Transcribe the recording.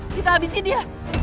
kita habisi dia